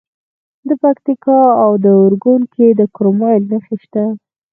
د پکتیکا په اورګون کې د کرومایټ نښې شته.